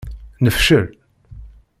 Nefcel.